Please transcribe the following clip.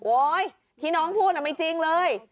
โอ๊ยที่น้องพูดอ่ะไม่จริงเลย